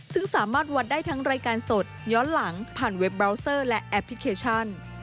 ซึ่งสามารถวัดได้ทั้งรายการสดย้อนหลังผ่านเว็บราวเซอร์และแอปพลิเคชัน